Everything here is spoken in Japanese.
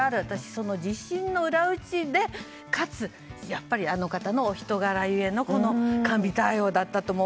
その自信の裏打ちでかつ、やっぱりあの方のお人柄ゆえのこの神対応だったとも。